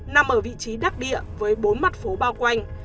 nằm ở vị trí đắc địa với bốn mặt phố bao quanh